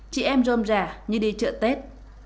chị em rôm rà như đi chợ tết